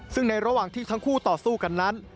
ซึ่งในระหว่างที่ทั้งคู่ต่อสู้กันนั้น